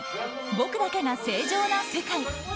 「僕だけが正常な世界」。